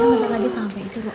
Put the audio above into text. nanti lagi sampai itu kamu bisa